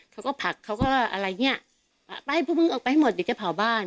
เขาก็ผักเขาก็อะไรเนี้ยไปให้พวกมึงออกไปหมดเดี๋ยวจะเผาบ้าน